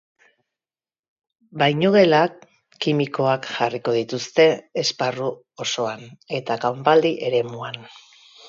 Bainugela kimikoak jarriko dituzte esparru osoan eta kanpaldi eremuan.